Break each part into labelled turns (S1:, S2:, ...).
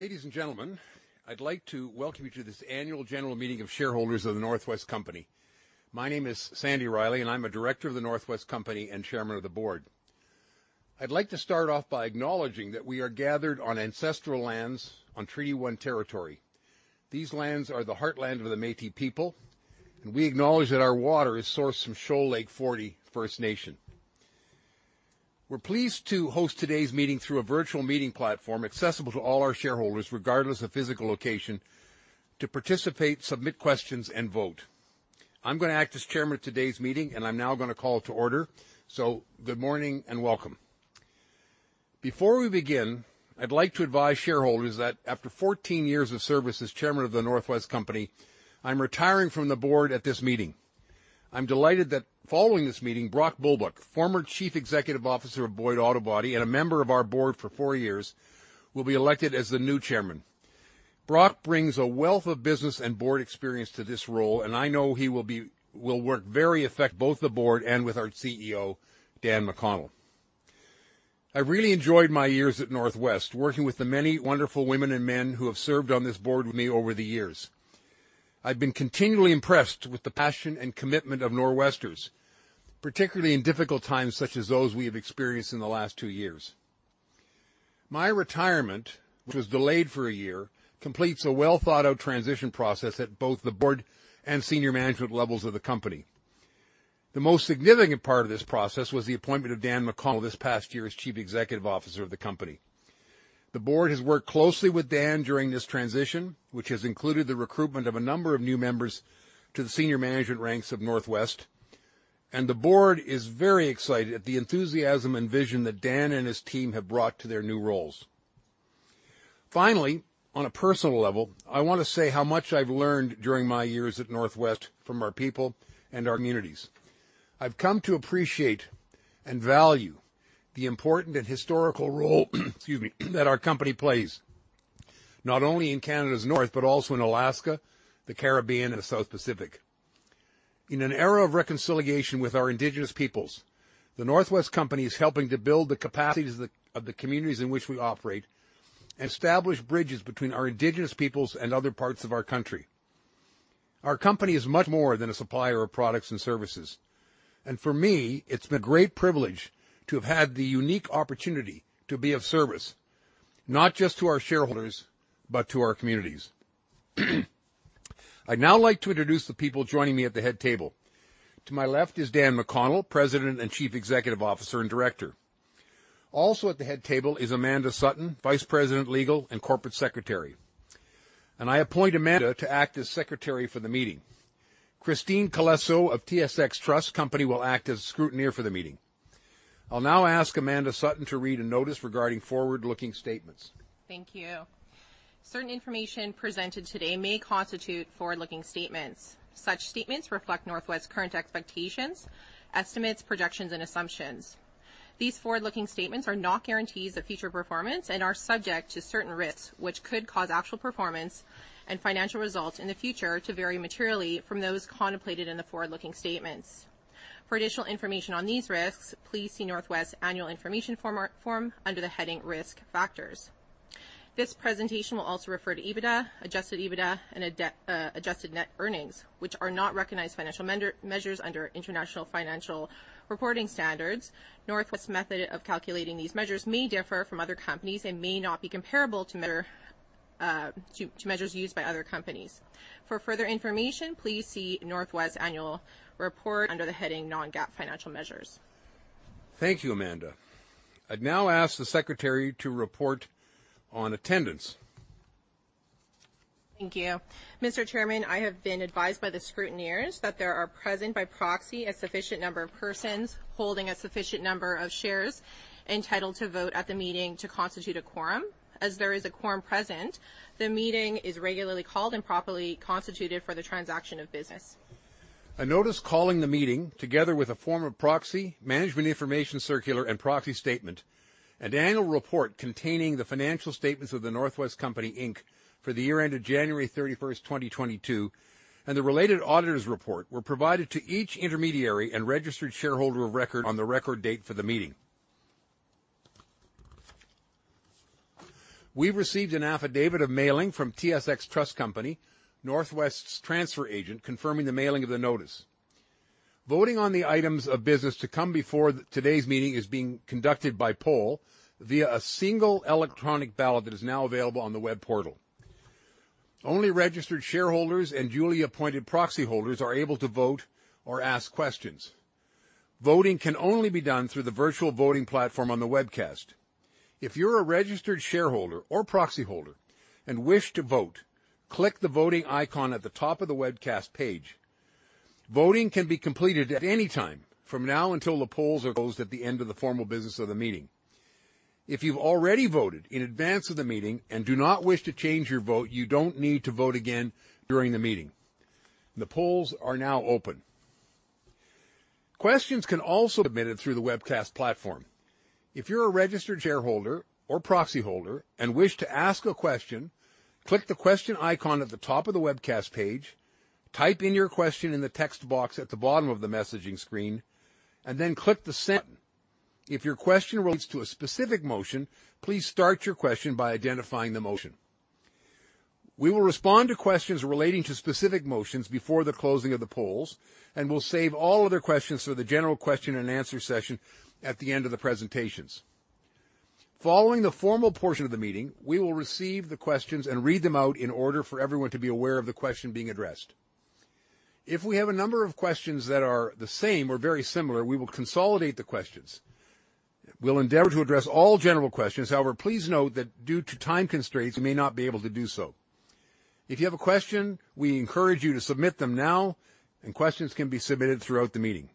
S1: Ladies and gentlemen, I'd like to welcome you to this Annual General Meeting of shareholders of The North West Company. My name is Sandy Riley, I'm a director of The North West Company and Chairman of the Board. I'd like to start off by acknowledging that we are gathered on ancestral lands on Treaty 1 territory. These lands are the heartland of the Métis people, we acknowledge that our water is sourced from Shoal Lake 40 First Nation. We're pleased to host today's meeting through a virtual meeting platform accessible to all our shareholders, regardless of physical location to participate, submit questions, and vote. I'm gonna act as chairman of today's meeting, I'm now gonna call to order. Good morning and welcome. Before we begin, I'd like to advise shareholders that after 14 years of service as Chairman of The North West Company, I'm retiring from the board at this meeting. I'm delighted that following this meeting, Brock Bulbuck, former Chief Executive Officer of Boyd Auto Body and a member of our board for four years, will be elected as the new chairman. Brock brings a wealth of business and board experience to this role, and I know he will work very effect-- both the board and with our CEO, Dan McConnell. I really enjoyed my years at North West, working with the many wonderful women and men who have served on this board with me over the years. I've been continually impressed with the passion and commitment of Nor'Westers, particularly in difficult times such as those we have experienced in the last two years. My retirement, which was delayed for a year, completes a well-thought-out transition process at both the board and senior management levels of the company. The most significant part of this process was the appointment of Dan McConnell this past year as Chief Executive Officer of the company. The board has worked closely with Dan during this transition, which has included the recruitment of a number of new members to the senior management ranks of North West, and the board is very excited at the enthusiasm and vision that Dan and his team have brought to their new roles. Finally, on a personal level, I wanna say how much I've learned during my years at North West from our people and our communities. I've come to appreciate and value the important and historical role excuse me, that our company plays, not only in Canada's North but also in Alaska, the Caribbean, and the South Pacific. In an era of reconciliation with our Indigenous peoples, The North West Company is helping to build the capacities of the communities in which we operate and establish bridges between our Indigenous peoples and other parts of our country. Our company is much more than a supplier of products and services. For me, it's been a great privilege to have had the unique opportunity to be of service, not just to our shareholders, but to our communities. I'd now like to introduce the people joining me at the head table. To my left is Dan McConnell, President and Chief Executive Officer and Director. Also at the head table is Amanda Sutton, Vice President, Legal and Corporate Secretary. I appoint Amanda to act as secretary for the meeting. Christine Colesso of TSX Trust Company will act as scrutineer for the meeting. I'll now ask Amanda Sutton to read a notice regarding forward-looking statements.
S2: Thank you. Certain information presented today may constitute forward-looking statements. Such statements reflect North West's current expectations, estimates, projections, and assumptions. These forward-looking statements are not guarantees of future performance and are subject to certain risks, which could cause actual performance and financial results in the future to vary materially from those contemplated in the forward-looking statements. For additional information on these risks, please see North West's annual information form under the heading "Risk Factors". This presentation will also refer to EBITDA, adjusted EBITDA, and adjusted net earnings, which are not recognized financial measures under International Financial Reporting Standards. North West's method of calculating these measures may differ from other companies and may not be comparable to measures used by other companies. For further information, please see North West's Annual Report under the heading "Non-GAAP Financial Measures".
S1: Thank you, Amanda. I'd now ask the secretary to report on attendance.
S2: Thank you. Mr. Chairman, I have been advised by the scrutineers that there are present by proxy a sufficient number of persons holding a sufficient number of shares entitled to vote at the meeting to constitute a quorum. As there is a quorum present, the meeting is regularly called and properly constituted for the transaction of business.
S1: A notice calling the meeting, together with a form of proxy, management information circular and proxy statement, an annual report containing the financial statements of The North West Company Inc. for the year ended January 31, 2022, and the related auditor's report were provided to each intermediary and registered shareholder of record on the record date for the meeting. We received an affidavit of mailing from TSX Trust Company, North West's transfer agent, confirming the mailing of the notice. Voting on the items of business to come before today's meeting is being conducted by poll via a single electronic ballot that is now available on the web portal. Only registered shareholders and duly appointed proxyholders are able to vote or ask questions. Voting can only be done through the virtual voting platform on the webcast. If you're a registered shareholder or proxy holders and wish to vote, click the Voting icon at the top of the webcast page. Voting can be completed at any time from now until the polls are closed at the end of the formal business of the meeting. If you've already voted in advance of the meeting and do not wish to change your vote, you don't need to vote again during the meeting. The polls are now open. Questions can also be submitted through the webcast platform. If you're a registered shareholder or proxy holders and wish to ask a question, click the Question icon at the top of the webcast page, type in your question in the text box at the bottom of the messaging screen, and then click the Send. If your question relates to a specific motion, please start your question by identifying the motion. We will respond to questions relating to specific motions before the closing of the polls, and we'll save all other questions for the general question and answer session at the end of the presentations. Following the formal portion of the meeting, we will receive the questions and read them out in order for everyone to be aware of the question being addressed. If we have a number of questions that are the same or very similar, we will consolidate the questions. We'll endeavor to address all general questions. However, please note that due to time constraints, we may not be able to do so. If you have a question, we encourage you to submit them now, and questions can be submitted throughout the meeting.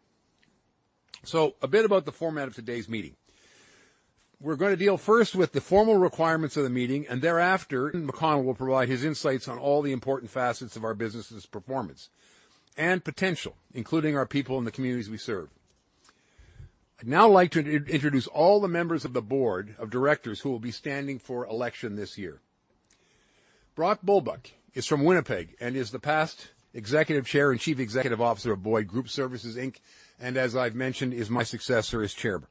S1: A bit about the format of today's meeting. We're gonna deal first with the formal requirements of the meeting, and thereafter, McConnell will provide his insights on all the important facets of our business' performance and potential, including our people in the communities we serve. I'd now like to introduce all the members of the board of directors who will be standing for election this year. Brock Bulbuck is from Winnipeg and is the past Executive Chair and Chief Executive Officer of Boyd Group Services, Inc. As I've mentioned, is my successor as chairman.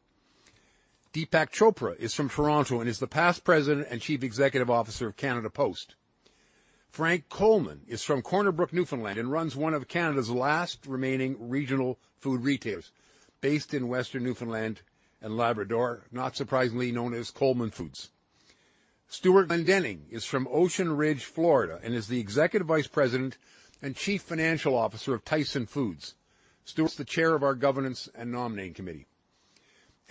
S1: Deepak Chopra is from Toronto and is the past President and Chief Executive Officer of Canada Post. Frank Coleman is from Corner Brook, Newfoundland, and runs one of Canada's last remaining regional food retailers based in Western Newfoundland and Labrador, not surprisingly known as Coleman Foods. Stewart Glendinning is from Ocean Ridge, Florida, and is the Executive Vice President and Chief Financial Officer of Tyson Foods. Stewart is the chair of our Governance and Nominating Committee.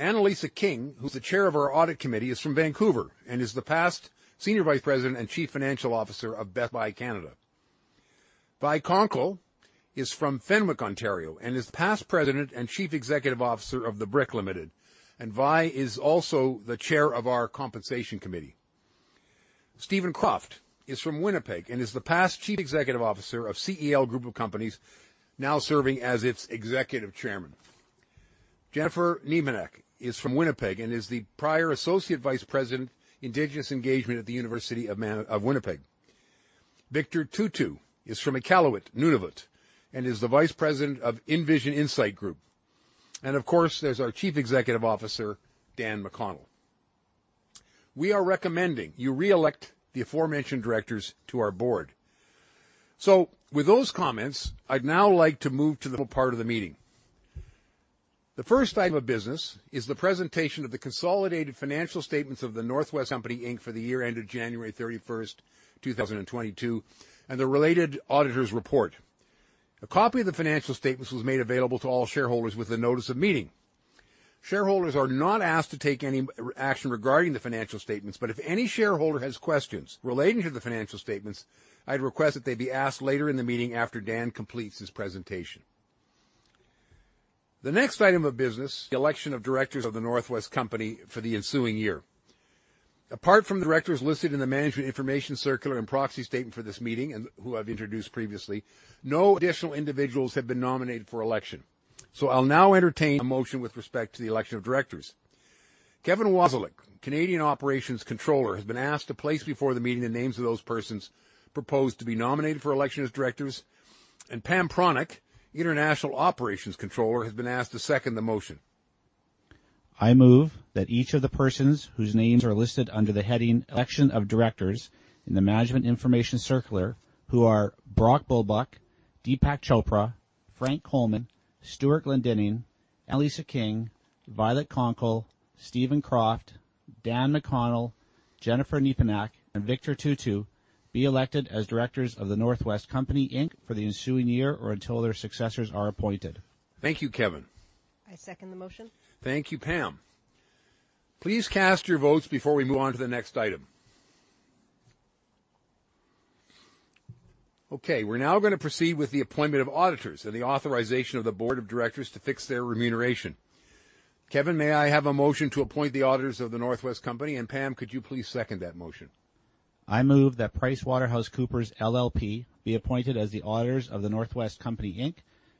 S1: Annalisa King, who's the Chair of our Audit Committee, is from Vancouver and is the former Senior Vice President and Chief Financial Officer of Best Buy Canada. Vi Konkle is from Fenwick, Ontario, and is past President and Chief Executive Officer of The Brick Limited. Vi is also the Chair of our Compensation Committee. Steven Kroft is from Winnipeg and is the past Chief Executive Officer of C.E.L. Group of Companies now serving as its Executive Chairman. Jennefer Nepinak is from Winnipeg and is the prior Associate Vice President, Indigenous Engagement at the University of Winnipeg. Victor Tootoo is from Iqaluit, Nunavut, and is the Vice President of nvision Insight Group. Of course, there's our Chief Executive Officer, Dan McConnell. We are recommending you reelect the aforementioned directors to our board. With those comments, I'd now like to move to the part of the meeting. The first item of business is the presentation of the consolidated financial statements of The North West Company Inc. for the year ended January 31, 2022, and the related auditor's report. A copy of the financial statements was made available to all shareholders with the notice of meeting. Shareholders are not asked to take any action regarding the financial statements, but if any shareholder has questions relating to the financial statements, I'd request that they be asked later in the meeting after Dan completes his presentation. The next item of business, the election of directors of The North West Company for the ensuing year. Apart from the directors listed in the Management Information Circular and proxy statement for this meeting, and who I've introduced previously, no additional individuals have been nominated for election. I'll now entertain a motion with respect to the election of directors. Kevin Wasiluk, Canadian Operations Controller, has been asked to place before the meeting the names of those persons proposed to be nominated for election as directors. Pam Pronyk, International Operations Controller, has been asked to second the motion.
S3: I move that each of the persons whose names are listed under the heading "Election of Directors" in the Management Information Circular, who are Brock Bulbuck, Deepak Chopra, Frank Coleman, Stewart Glendinning, Annalisa King, Violet Konkle, Steven Kroft, Daniel McConnell, Jennefer Nepinak, and Victor Tootoo, be elected as directors of The North West Company Inc. for the ensuing year or until their successors are appointed.
S1: Thank you, Kevin.
S4: I second the motion.
S1: Thank you, Pam. Please cast your votes before we move on to the next item. Okay, we're now going to proceed with the appointment of auditors and the authorization of the board of directors to fix their remuneration. Kevin, may I have a motion to appoint the auditors of The North West Company, and Pam, could you please second that motion?
S3: I move that PricewaterhouseCoopers LLP be appointed as the auditors of The North West Company Inc.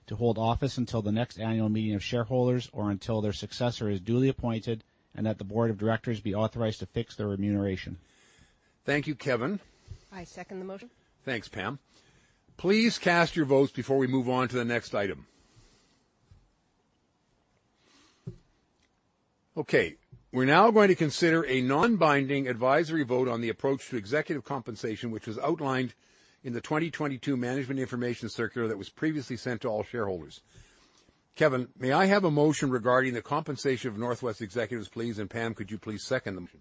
S3: to hold office until the next Annual Meeting of Shareholders or until their successor is duly appointed and that the Board of Directors be authorized to fix their remuneration.
S1: Thank you, Kevin.
S4: I second the motion.
S1: Thanks, Pam. Please cast your votes before we move on to the next item. Okay, we're now going to consider a non-binding advisory vote on the approach to executive compensation, which was outlined in the 2022 Management Information Circular that was previously sent to all shareholders. Kevin, may I have a motion regarding the compensation of North West executives, please? Pam, could you please second the motion?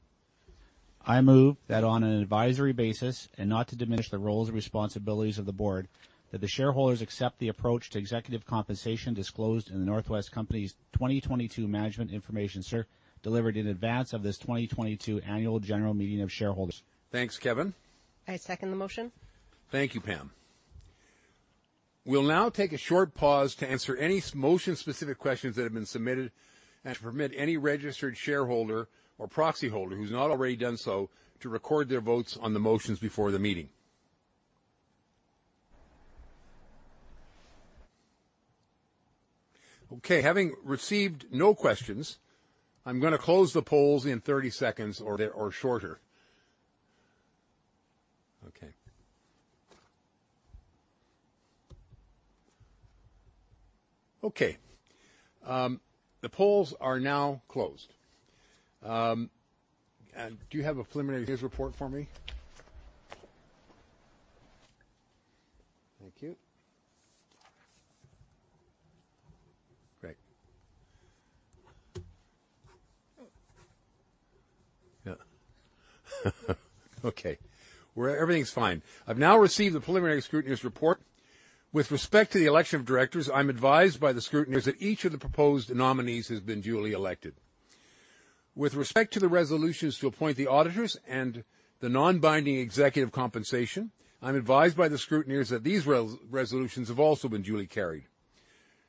S3: I move that on an advisory basis and not to diminish the roles and responsibilities of the board, that the shareholders accept the approach to executive compensation disclosed in The North West Company's 2022 Management Information Circular delivered in advance of this 2022 Annual General Meeting of Shareholders.
S1: Thanks, Kevin.
S4: I second the motion.
S1: Thank you, Pam. We'll now take a short pause to answer any motion-specific questions that have been submitted and to permit any registered shareholder or proxy holder who's not already done so to record their votes on the motions before the meeting. Okay, having received no questions, I'm gonna close the polls in 30 seconds or shorter. Okay. The polls are now closed. Do you have a preliminary report for me? Thank you. Great. Yeah. Okay. Everything's fine. I've now received the preliminary scrutineers report. With respect to the election of directors, I'm advised by the scrutineers that each of the proposed nominees has been duly elected. With respect to the resolutions to appoint the auditors and the non-binding executive compensation, I'm advised by the scrutineers that these resolutions have also been duly carried.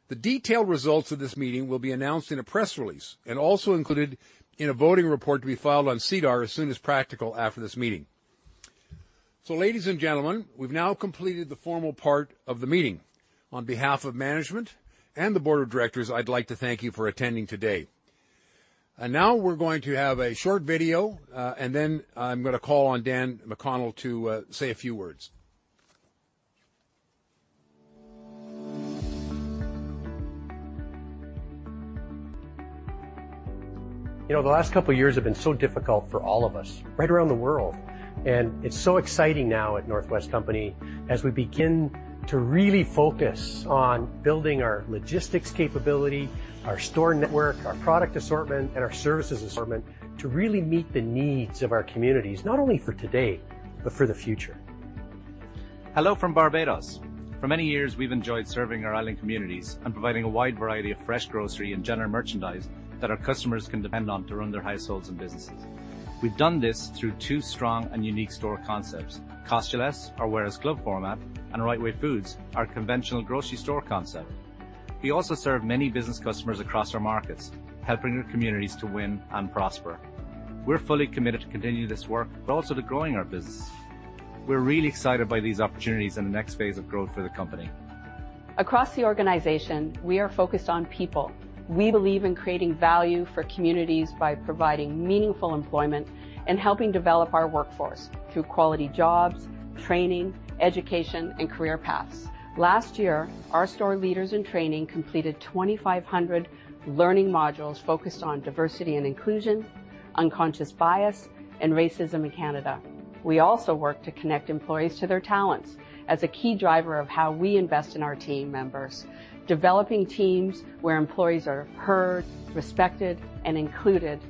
S1: The detailed results of this meeting will be announced in a press release and also included in a voting report to be filed on SEDAR as soon as practical after this meeting. Ladies and gentlemen, we've now completed the formal part of the meeting. On behalf of management and the board of directors, I'd like to thank you for attending today.
S5: Now we're going to have a short video, and then I'm gonna call on Daniel McConnell to say a few words. You know, the last couple of years have been so difficult for all of us right around the world. It's so exciting now at The North West Company as we begin to really focus on building our logistics capability, our store network, our product assortment, and our services assortment to really meet the needs of our communities, not only for today but for the future. Hello from Barbados. For many years, we've enjoyed serving our island communities and providing a wide variety of fresh grocery and general merchandise that our customers can depend on to run their households and businesses. We've done this through two strong and unique store concepts, Cost-U-Less, our warehouse-club format, and RiteWay Food Markets, our conventional grocery store concept. We also serve many business customers across our markets, helping their communities to win and prosper. We're fully committed to continue this work, but also to growing our business. We're really excited by these opportunities and the next phase of growth for the company.
S4: Across the organization, we are focused on people. We believe in creating value for communities by providing meaningful employment and helping develop our workforce through quality jobs, training, education, and career paths. Last year, our store leaders in training completed 2,500 learning modules focused on diversity and inclusion, unconscious bias, and racism in Canada. We also work to connect employees to their talents as a key driver of how we invest in our team members. Developing teams where employees are heard, respected, and included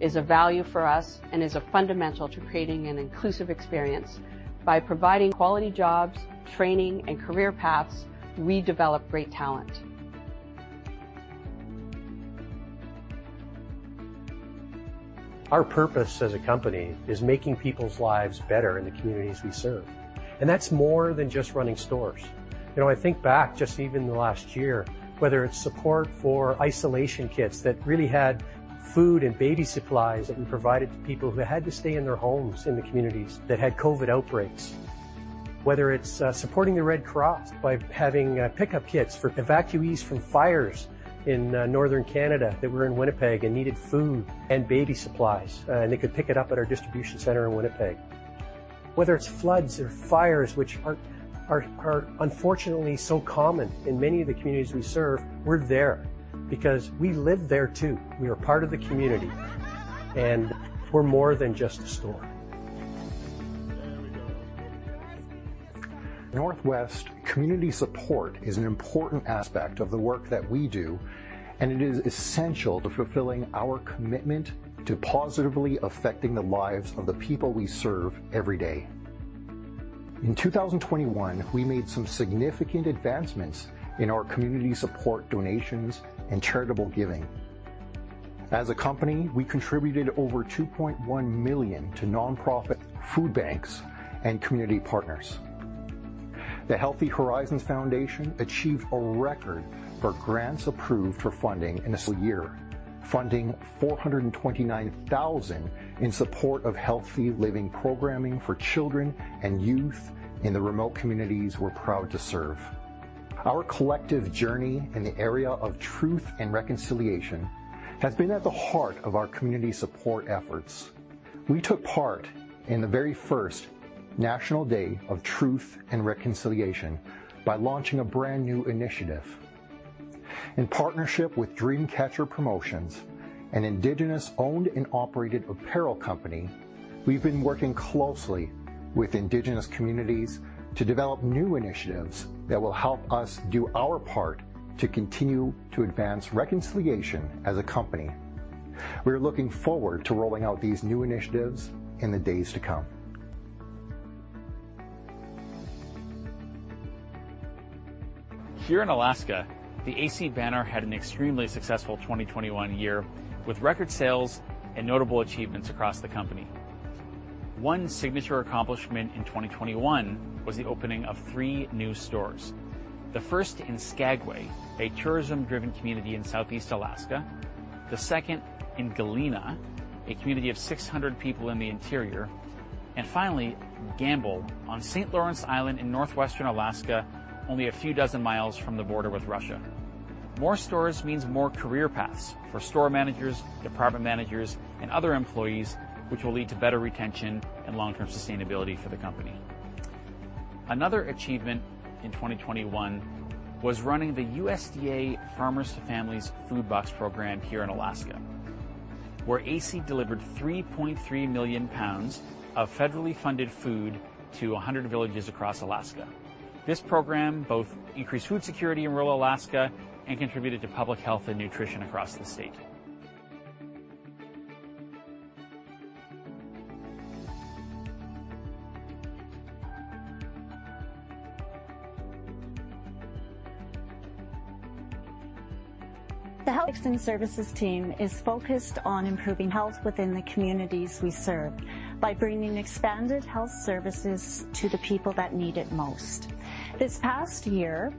S4: is a value for us and is a fundamental to creating an inclusive experience. By providing quality jobs, training, and career paths, we develop great talent.
S5: Our purpose as a company is making people's lives better in the communities we serve, and that's more than just running stores. You know, I think back just even the last year, whether it's support for isolation kits that really had food and baby supplies that we provided to people who had to stay in their homes in the communities that had COVID-19 outbreaks. Whether it's supporting the Red Cross by having pickup kits for evacuees from fires in northern Canada that were in Winnipeg and needed food and baby supplies, and they could pick it up at our distribution center in Winnipeg. Whether it's floods or fires which are unfortunately so common in many of the communities we serve, we're there because we live there too. We are part of the community, and we're more than just a store.
S4: There we go.
S5: North West community support is an important aspect of the work that we do, and it is essential to fulfilling our commitment to positively affecting the lives of the people we serve every day. In 2021, we made some significant advancements in our community support donations and charitable giving. As a company, we contributed over 2.1 million to nonprofit food banks and community partners. The Healthy Horizons Foundation achieved a record for grants approved for funding in a single year, funding 429,000 in support of healthy living programming for children and youth in the remote communities we're proud to serve. Our collective journey in the area of truth and reconciliation has been at the heart of our community support efforts. We took part in the very first National Day for Truth and Reconciliation by launching a brand-new initiative. In partnership with Dreamcatcher Promotions, an Indigenous-owned and operated apparel company, we've been working closely with Indigenous communities to develop new initiatives that will help us do our part to continue to advance reconciliation as a company. We're looking forward to rolling out these new initiatives in the days to come. Here in Alaska, the AC Banner had an extremely successful 2021 year with record sales and notable achievements across the company. One signature accomplishment in 2021 was the opening of three new stores. The first in Skagway, a tourism-driven community in Southeast Alaska. The second in Galena, a community of 600 people in the interior. Finally, Gambell on St. Lawrence Island in northwestern Alaska, only a few dozen miles from the border with Russia. More stores means more career paths for store managers, department managers, and other employees, which will lead to better retention and long-term sustainability for the company. Another achievement in 2021 was running the USDA Farmers to Families Food Box Program here in Alaska, where AC delivered 3.3 million pounds of federally funded food to 100 villages across Alaska. This program both increased food security in rural Alaska and contributed to public health and nutrition across the state. The Health Extension Services team is focused on improving health within the communities we serve by bringing expanded health services to the people that need it most. This past year,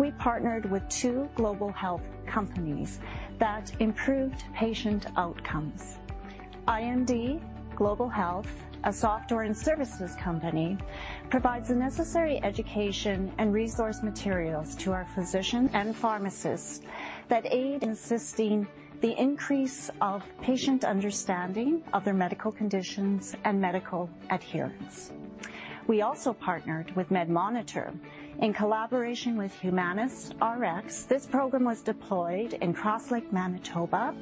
S5: we partnered with two global health companies that improved patient outcomes. iMD Health, a software and services company, provides the necessary education and resource materials to our physicians and pharmacists that aid in assisting the increase of patient understanding of their medical conditions and medical adherence. We also partnered with MedMonitor in collaboration with humanisRx. This program was deployed in Cross Lake, Manitoba.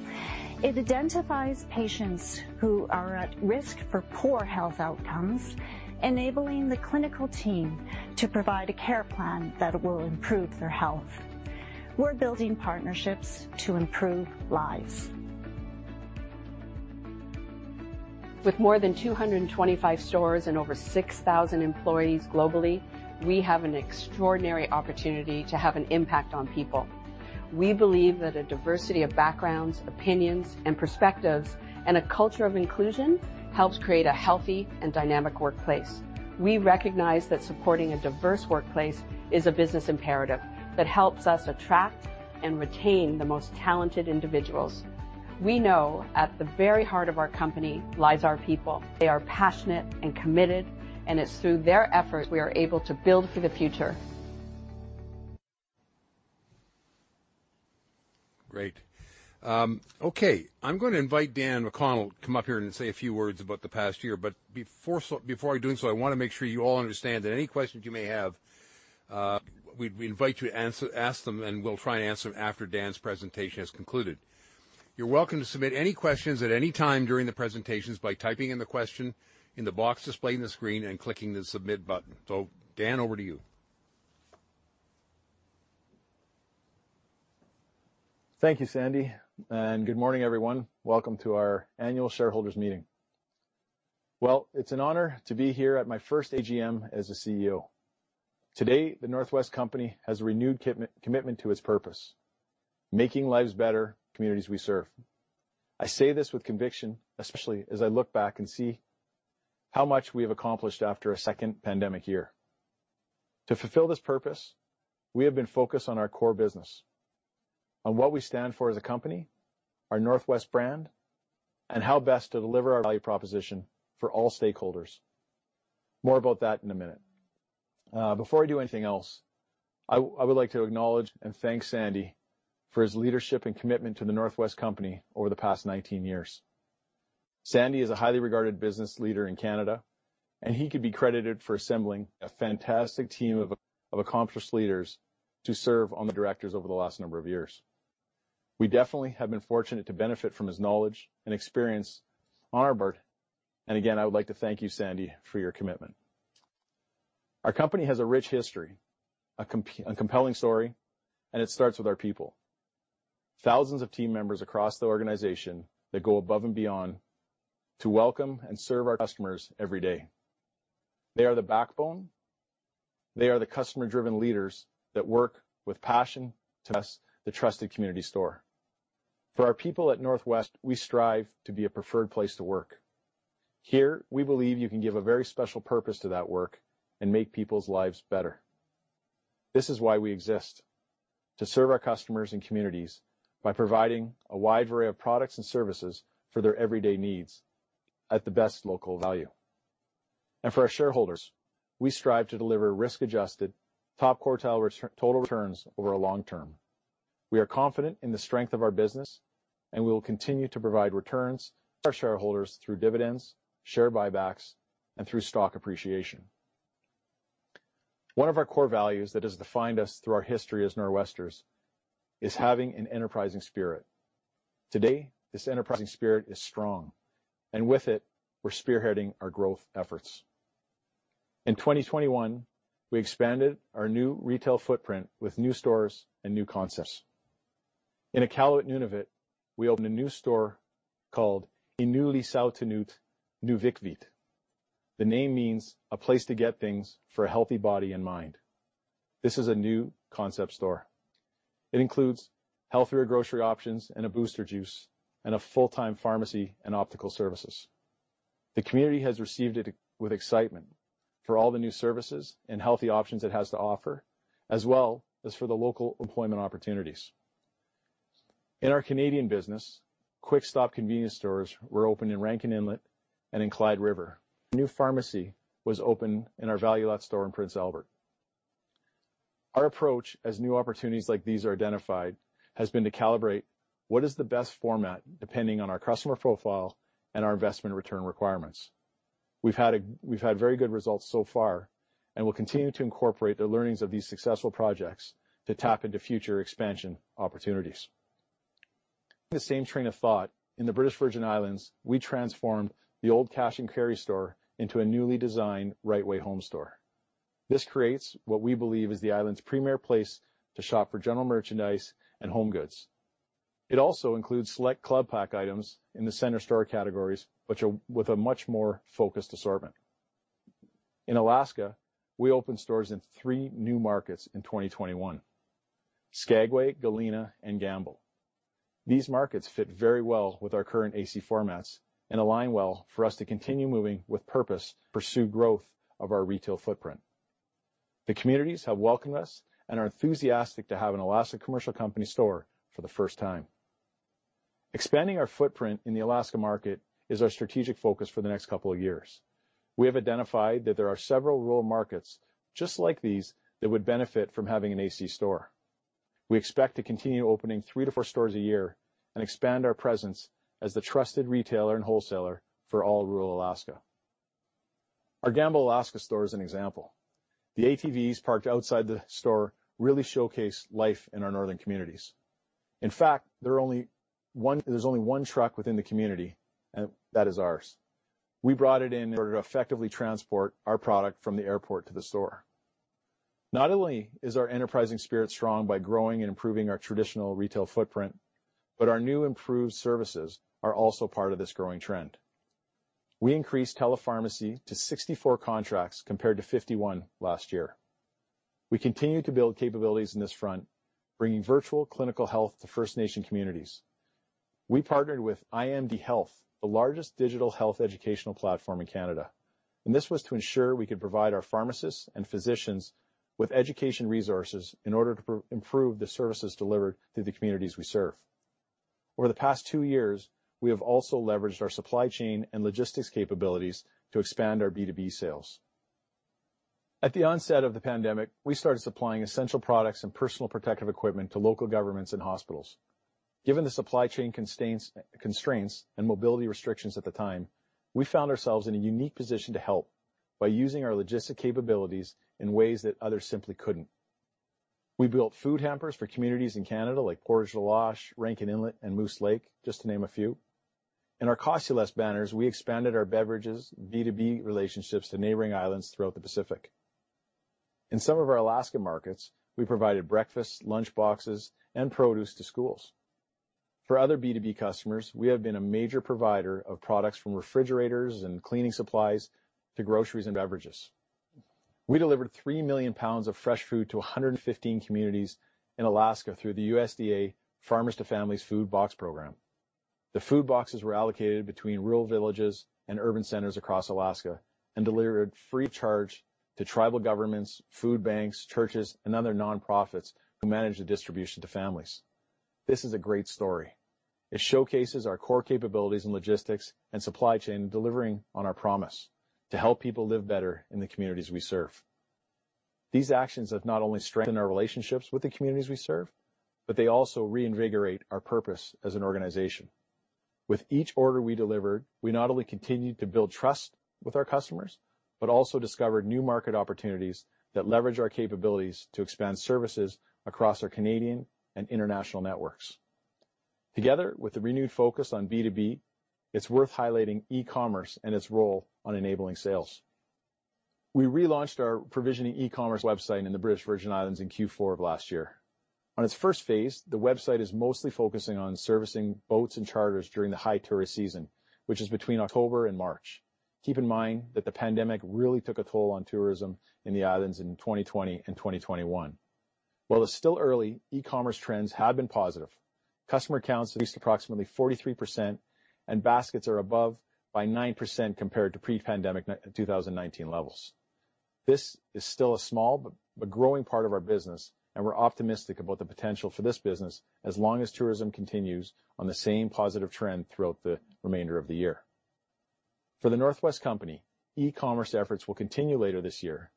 S5: It identifies patients who are at risk for poor health outcomes, enabling the clinical team to provide a care plan that will improve their health. We're building partnerships to improve lives.
S4: With more than 225 stores and over 6,000 employees globally, we have an extraordinary opportunity to have an impact on people. We believe that a diversity of backgrounds, opinions, and perspectives, and a culture of inclusion helps create a healthy and dynamic workplace. We recognize that supporting a diverse workplace is a business imperative that helps us attract and retain the most talented individuals. We know at the very heart of our company lies our people. They are passionate and committed, and it's through their efforts we are able to build for the future.
S1: Great. Okay. I'm gonna invite Daniel McConnell to come up here and say a few words about the past year. Before doing so, I wanna make sure you all understand that any questions you may have, we invite you to ask them, and we'll try and answer them after Dan's presentation has concluded. You're welcome to submit any questions at any time during the presentations by typing in the question in the box displayed on the screen and clicking the Submit button. Dan, over to you.
S6: Thank you, Sandy. Good morning, everyone. Welcome to our annual shareholders meeting. Well, it's an honor to be here at my first AGM as the CEO. Today, The North West Company has a renewed commitment to its purpose: making lives better in the communities we serve. I say this with conviction, especially as I look back and see how much we have accomplished after a second pandemic year. To fulfill this purpose, we have been focused on our core business, on what we stand for as a company, our North West brand, and how best to deliver our value proposition for all stakeholders. More about that in a minute. Before I do anything else, I would like to acknowledge and thank Sandy for his leadership and commitment to The North West Company over the past 19 years. Sandy is a highly regarded business leader in Canada. He could be credited for assembling a fantastic team of accomplished leaders to serve on the directors over the last number of years. We definitely have been fortunate to benefit from his knowledge and experience on our board. Again, I would like to thank you, Sandy, for your commitment. Our company has a rich history, a compelling story. It starts with our people. Thousands of team members across the organization that go above and beyond to welcome and serve our customers every day. They are the backbone. They are the customer-driven leaders that work with passion to us, the trusted community store. For our people at North West, we strive to be a preferred place to work. Here, we believe you can give a very special purpose to that work and make people's lives better. This is why we exist, to serve our customers and communities by providing a wide array of products and services for their everyday needs at the best local value. For our shareholders, we strive to deliver risk-adjusted top quartile total returns over a long term. We are confident in the strength of our business, and we will continue to provide returns to our shareholders through dividends, share buybacks, and through stock appreciation. One of our core values that has defined us through our history as Nor'westers is having an enterprising spirit. Today, this enterprising spirit is strong, with it, we're spearheading our growth efforts. In 2021, we expanded our new retail footprint with new stores and new concepts. In Iqaluit, Nunavut, we opened a new store called Inuulisautinut Niuvirvik. The name means a place to get things for a healthy body and mind. This is a new concept store. It includes healthier grocery options and a Booster Juice and a full-time pharmacy and optical services. The community has received it with excitement for all the new services and healthy options it has to offer, as well as for the local employment opportunities. In our Canadian business, Quickstop convenience stores were opened in Rankin Inlet and in Clyde River. New pharmacy was opened in our Valu-Lots store in Prince Albert. Our approach as new opportunities like these are identified has been to calibrate what is the best format depending on our customer profile and our investment return requirements. We've had very good results so far, and we'll continue to incorporate the learnings of these successful projects to tap into future expansion opportunities. In the same train of thought, in the British Virgin Islands, we transformed the old cash and carry store into a newly designed RiteWay Home store. This creates what we believe is the island's premier place to shop for general merchandise and home goods. It also includes select Club Pack items in the center store categories, which with a much more focused assortment. In Alaska, we opened stores in three new markets in 2021, Skagway, Galena, and Gambell. These markets fit very well with our current AC formats and align well for us to continue Moving with Purpose, pursue growth of our retail footprint. The communities have welcomed us and are enthusiastic to have an Alaska Commercial Company store for the first time. Expanding our footprint in the Alaska market is our strategic focus for the next couple of years. We have identified that there are several rural markets just like these that would benefit from having an AC store. We expect to continue opening three to four stores a year and expand our presence as the trusted retailer and wholesaler for all rural Alaska. Our Gambell, Alaska store is an example. The ATVs parked outside the store really showcase life in our northern communities. In fact, there's only one truck within the community, and that is ours. We brought it in in order to effectively transport our product from the airport to the store. Not only is our enterprising spirit strong by growing and improving our traditional retail footprint, but our new improved services are also part of this growing trend. We increased telepharmacy to 64 contracts compared to 51 last year. We continue to build capabilities in this front, bringing virtual clinical health to First Nation communities. This was to ensure we could provide our pharmacists and physicians with education resources in order to improve the services delivered to the communities we serve. Over the past two years, we have also leveraged our supply chain and logistics capabilities to expand our B2B sales. At the onset of the pandemic, we started supplying essential products and personal protective equipment to local governments and hospitals. Given the supply chain constraints and mobility restrictions at the time, we found ourselves in a unique position to help by using our logistic capabilities in ways that others simply couldn't. We built food hampers for communities in Canada like Portage La Loche, Rankin Inlet, and Moose Lake, just to name a few. In our Cost-U-Less banners, we expanded our beverages B2B relationships to neighboring islands throughout the Pacific. In some of our Alaska markets, we provided breakfast, lunch boxes, and produce to schools. For other B2B customers, we have been a major provider of products from refrigerators and cleaning supplies to groceries and beverages. We delivered 3 million pounds of fresh food to 115 communities in Alaska through the USDA Farmers to Families Food Box Program. The food boxes were allocated between rural villages and urban centers across Alaska and delivered free of charge to tribal governments, food banks, churches, and other nonprofits who manage the distribution to families. This is a great story. It showcases our core capabilities in logistics and supply chain, delivering on our promise to help people live better in the communities we serve. These actions have not only strengthened our relationships with the communities we serve, but they also reinvigorate our purpose as an organization. With each order we delivered, we not only continued to build trust with our customers, but also discovered new market opportunities that leverage our capabilities to expand services across our Canadian and international networks. Together, with a renewed focus on B2B, it's worth highlighting e-commerce and its role on enabling sales. We relaunched our provisioning e-commerce website in the British Virgin Islands in Q4 of last year. On its first phase, the website is mostly focusing on servicing boats and charters during the high tourist season, which is between October and March. Keep in mind that the pandemic really took a toll on tourism in the islands in 2020 and 2021. While it's still early, e-commerce trends have been positive. Customer counts increased approximately 43%, and baskets are above by 9% compared to pre-pandemic 2019 levels. This is still a small but growing part of our business, and we're optimistic about the potential for this business as long as tourism continues on the same positive trend throughout the remainder of the year. For The North West Company, e-commerce efforts will continue later this year.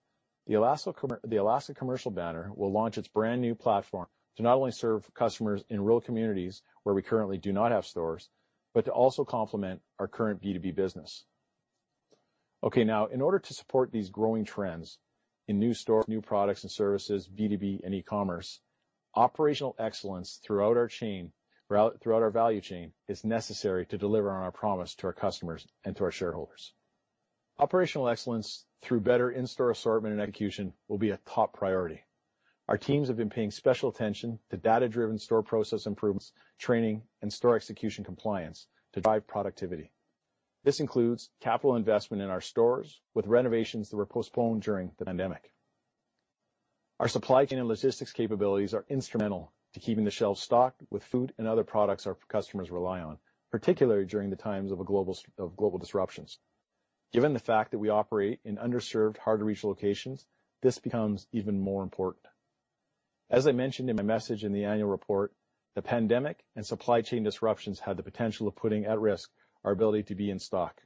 S6: The Alaska Commercial banner will launch its brand-new platform to not only serve customers in rural communities where we currently do not have stores, but to also complement our current B2B business. Now in order to support these growing trends in new stores, new products and services, B2B, and e-commerce, operational excellence throughout our chain, throughout our value chain, is necessary to deliver on our promise to our customers and to our shareholders. Operational excellence through better in-store assortment and execution will be a top priority. Our teams have been paying special attention to data-driven store process improvements, training, and store execution compliance to drive productivity. This includes capital investment in our stores with renovations that were postponed during the pandemic. Our supply chain and logistics capabilities are instrumental to keeping the shelves stocked with food and other products our customers rely on, particularly during the times of global disruptions. Given the fact that we operate in underserved, hard-to-reach locations, this becomes even more important. As I mentioned in my message in the annual report, the pandemic and supply chain disruptions had the potential of putting at risk our ability to be in stock.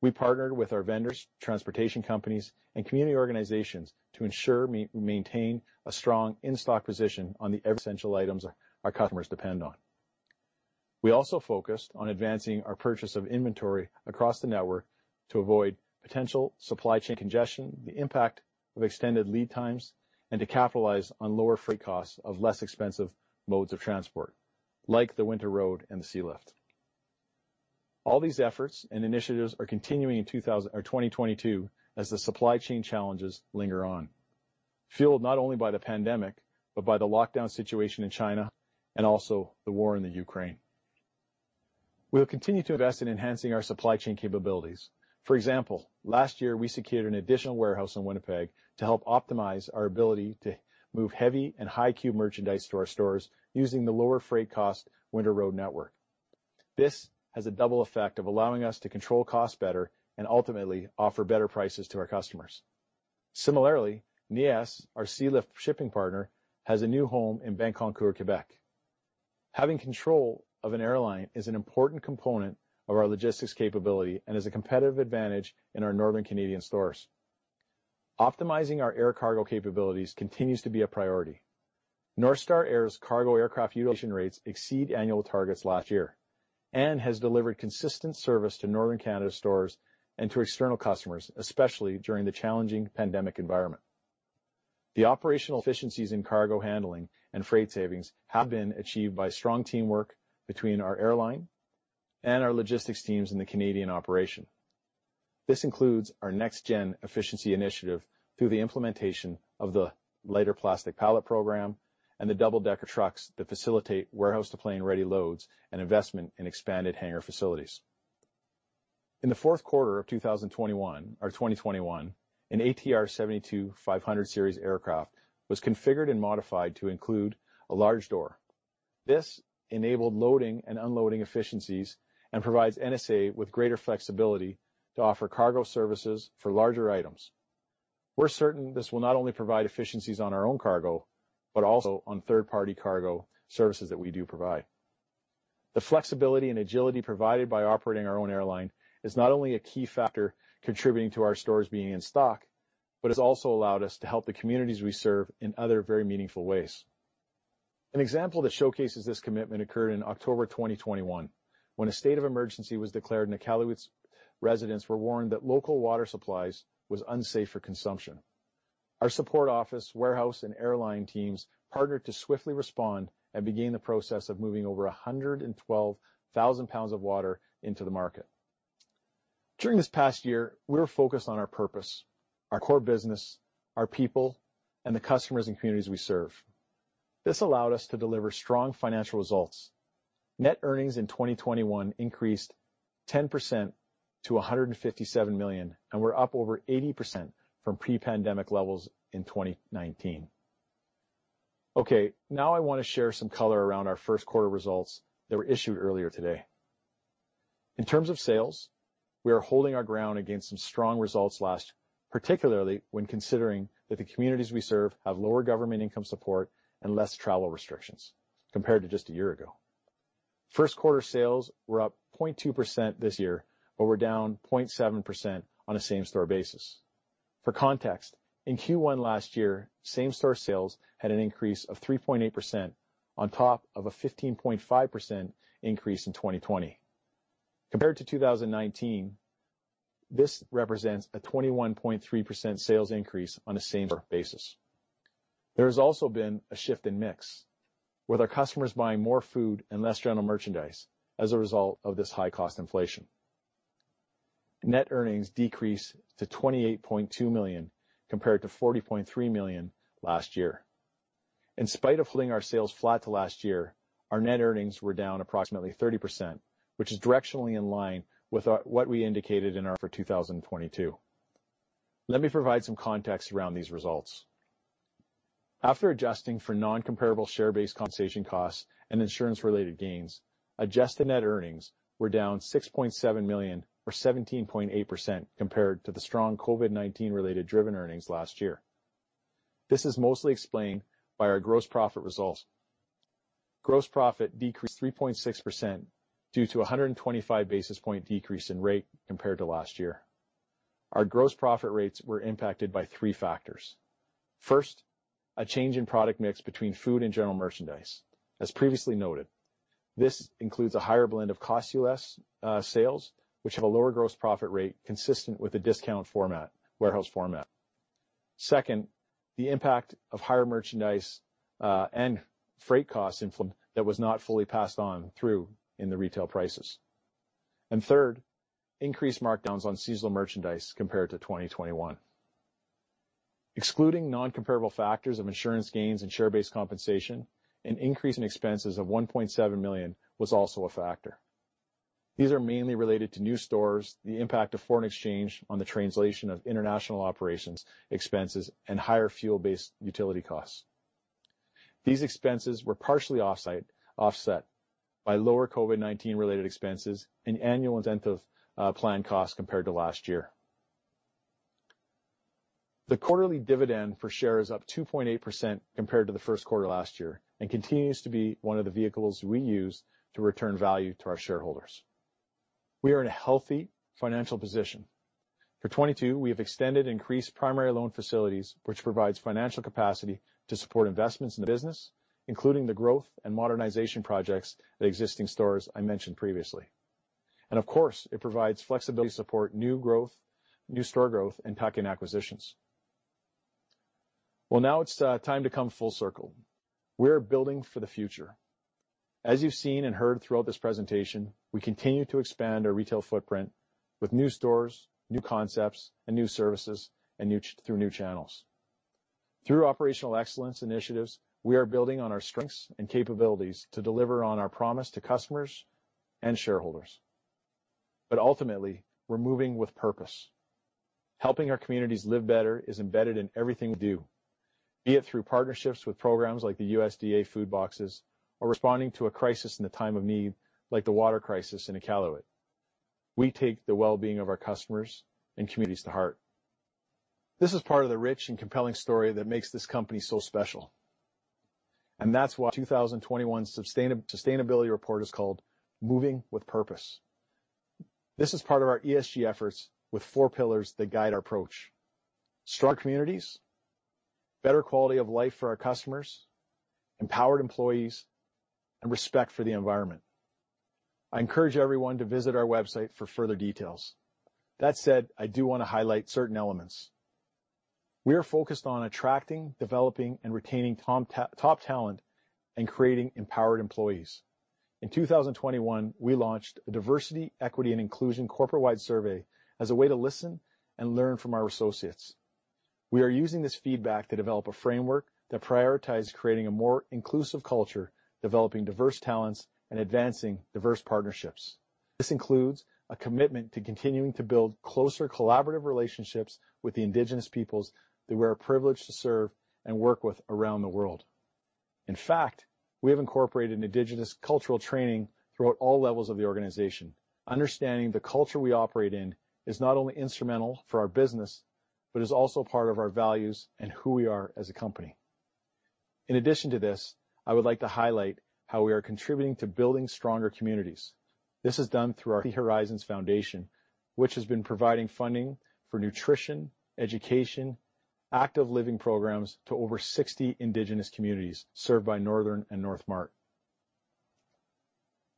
S6: We partnered with our vendors, transportation companies, and community organizations to ensure we maintain a strong in-stock position on the essential items our customers depend on. We also focused on advancing our purchase of inventory across the network to avoid potential supply chain congestion, the impact of extended lead times, and to capitalize on lower freight costs of less expensive modes of transport, like the winter road and the sealift. All these efforts and initiatives are continuing in 2022 as the supply chain challenges linger on, fueled not only by the pandemic but by the lockdown situation in China and also the war in Ukraine. We'll continue to invest in enhancing our supply chain capabilities. For example, last year we secured an additional warehouse in Winnipeg to help optimize our ability to move heavy and high cube merchandise to our stores using the lower freight cost winter road network. This has a double effect of allowing us to control costs better and ultimately offer better prices to our customers. Similarly, NSSI, our sealift shipping partner, has a new home in Bécancour, Quebec. Having control of an airline is an important component of our logistics capability and is a competitive advantage in our northern Canadian stores. Optimizing our air cargo capabilities continues to be a priority. North Star Air's cargo aircraft utilization rates exceed annual targets last year and has delivered consistent service to Northern Canada stores and to external customers, especially during the challenging pandemic environment. The operational efficiencies in cargo handling and freight savings have been achieved by strong teamwork between our airline and our logistics teams in the Canadian operation. This includes our next-gen efficiency initiative through the implementation of the lighter plastic pallet program and the double-decker trucks that facilitate warehouse-to-plane ready loads and investment in expanded hangar facilities. In the Q4 2021, an ATR 72-500 series aircraft was configured and modified to include a large door. This enabled loading and unloading efficiencies and provides NSA with greater flexibility to offer cargo services for larger items. We're certain this will not only provide efficiencies on our own cargo, but also on third-party cargo services that we do provide. The flexibility and agility provided by operating our own airline is not only a key factor contributing to our stores being in stock, but has also allowed us to help the communities we serve in other very meaningful ways. An example that showcases this commitment occurred in October 2021, when a state of emergency was declared and Iqaluit residents were warned that local water supplies was unsafe for consumption. Our support office, warehouse, and airline teams partnered to swiftly respond and begin the process of moving over 112,000 pounds of water into the market. During this past year, we were focused on our purpose, our core business, our people, and the customers and communities we serve. This allowed us to deliver strong financial results. Net earnings in 2021 increased 10% to 157 million. We're up over 80% from pre-pandemic levels in 2019. Now I want to share some color around our first quarter results that were issued earlier today. In terms of sales, we are holding our ground against some strong results last year, particularly when considering that the communities we serve have lower government income support and less travel restrictions compared to just a year ago. First quarter sales were up 0.2% this year, but were down 0.7% on a same-store basis. For context, in Q1 last year, same-store sales had an increase of 3.8% on top of a 15.5% increase in 2020. Compared to 2019, this represents a 21.3% sales increase on a same-store basis. There has also been a shift in mix with our customers buying more food and less general merchandise as a result of this high cost inflation. Net earnings decreased to 28.2 million, compared to 40.3 million last year. In spite of holding our sales flat to last year, our net earnings were down approximately 30%, which is directionally in line with our, what we indicated in our for 2022. Let me provide some context around these results. After adjusting for non-comparable share-based compensation costs and insurance-related gains, adjusted net earnings were down 6.7 million or 17.8% compared to the strong COVID-19 related driven earnings last year. This is mostly explained by our gross profit results. Gross profit decreased 3.6% due to a 125 basis point decrease in rate compared to last year. Our gross profit rates were impacted by three factors. First, a change in product mix between food and general merchandise. As previously noted, this includes a higher blend of Cost-U-Less sales, which have a lower gross profit rate consistent with the discount format, warehouse format. Second, the impact of higher merchandise and freight costs that was not fully passed on through in the retail prices. Third, increased markdowns on seasonal merchandise compared to 2021. Excluding non-comparable factors of insurance gains and share-based compensation, an increase in expenses of 1.7 million was also a factor. These are mainly related to new stores, the impact of foreign exchange on the translation of international operations expenses, and higher fuel-based utility costs. These expenses were partially offsite, offset by lower COVID-19 related expenses and annual incentive plan costs compared to last year. The quarterly dividend per share is up 2.8% compared to the first quarter last year and continues to be one of the vehicles we use to return value to our shareholders. We are in a healthy financial position. For 2022, we have extended increased primary loan facilities, which provides financial capacity to support investments in the business, including the growth and modernization projects, the existing stores I mentioned previously. Of course, it provides flexibility to support new growth, new store growth, and tuck-in acquisitions. Well, now it's time to come full circle. We're building for the future. As you've seen and heard throughout this presentation, we continue to expand our retail footprint with new stores, new concepts, and new services, and through new channels. Through operational excellence initiatives, we are building on our strengths and capabilities to deliver on our promise to customers and shareholders, ultimately, we're "Moving with Purpose". Helping our communities live better is embedded in everything we do, be it through partnerships with programs like the USDA Food Boxes or responding to a crisis in a time of need, like the water crisis in Iqaluit. We take the well-being of our customers and communities to heart. This is part of the rich and compelling story that makes this company so special, that's why 2021 sustainability report is called "Moving with Purpose". This is part of our ESG efforts with four pillars that guide our approach. Stronger communities, better quality of life for our customers, empowered employees, and respect for the environment. I encourage everyone to visit our website for further details. That said, I do wanna highlight certain elements. We are focused on attracting, developing, and retaining top talent and creating empowered employees. In 2021, we launched a diversity, equity, and inclusion corporate-wide survey as a way to listen and learn from our associates. We are using this feedback to develop a framework that prioritizes creating a more inclusive culture, developing diverse talents, and advancing diverse partnerships. This includes a commitment to continuing to build closer collaborative relationships with the Indigenous peoples that we are privileged to serve and work with around the world. In fact, we have incorporated Indigenous cultural training throughout all levels of the organization. Understanding the culture we operate in is not only instrumental for our business, but is also part of our values and who we are as a company. In addition to this, I would like to highlight how we are contributing to building stronger communities. This is done through our Three Horizons Foundation, which has been providing funding for nutrition, education, active living programs to over 60 Indigenous communities served by Northern and NorthMart.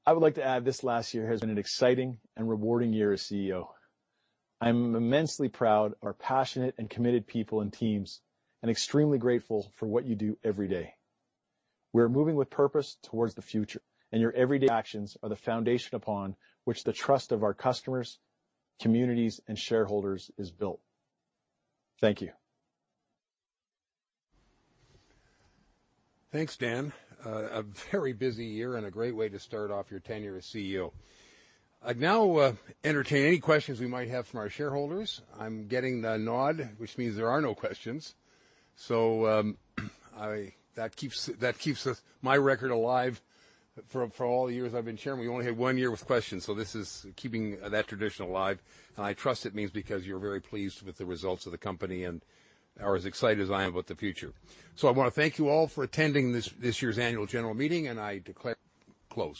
S6: I would like to add, this last year has been an exciting and rewarding year as CEO. I'm immensely proud of our passionate and committed people and teams, and extremely grateful for what you do every day. We're "Moving with Purpose" towards the future, and your everyday actions are the foundation upon which the trust of our customers, communities, and shareholders is built. Thank you.
S1: Thanks, Dan. A very busy year and a great way to start off your tenure as CEO. I'd now entertain any questions we might have from our shareholders. I'm getting the nod, which means there are no questions. That keeps us, my record alive for all the years I've been Chairman, we only had one year with questions. This is keeping that tradition alive, and I trust it means because you're very pleased with the results of the company and are as excited as I am about the future. I wanna thank you all for attending this year's Annual General Meeting, and I declare we close.